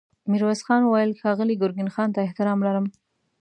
ميرويس خان وويل: ښاغلي ګرګين خان ته احترام لرم.